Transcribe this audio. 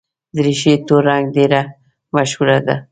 دریشي تور رنګ ډېره مشهوره ده.